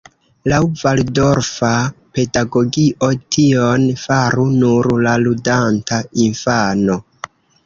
Laŭ valdorfa pedagogio, tion faru nur la ludanta infano.